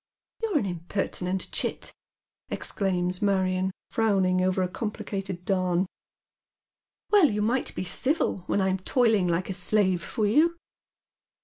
" You're an impertinent chit," exclaims Marion, frowning over a corapHcated darn. "Well, you might be civil when I'm toiling like a slave for you."